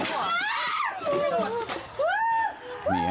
ได้อีกหรอได้อีกหรอ